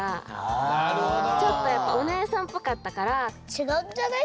ちがうんじゃない？